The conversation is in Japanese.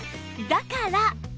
だから